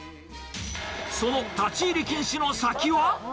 その立ち入り禁止の先は？